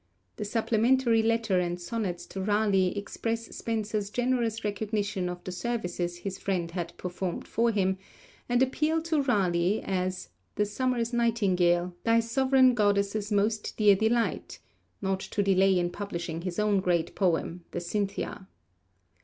The supplementary letter and sonnets to Raleigh express Spenser's generous recognition of the services his friend had performed for him, and appeal to Raleigh, as 'the Summer's Nightingale, thy sovereign goddess's most dear delight,' not to delay in publishing his own great poem, the Cynthia.